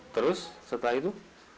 terus setelah itu